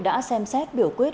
đã xem xét biểu quyết